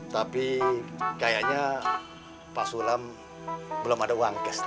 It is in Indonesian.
tapi kayaknya pak sulam belum ada uang kes tuh